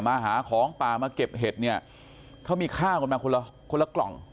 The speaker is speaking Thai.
มาหาของป่ามาเก็บเห็ดเนี่ยเขามีข้าวกันมาคนละคนละกล่อง